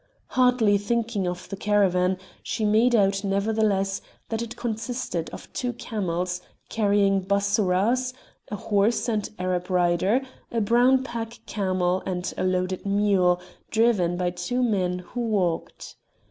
Hardly thinking of the caravan, she made out, nevertheless, that it consisted of two camels, carrying bassourahs, a horse and Arab rider, a brown pack camel, and a loaded mule, driven by two men who walked.